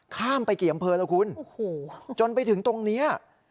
ข้ามไปกี่อำเภอแล้วคุณจนไปถึงตรงนี้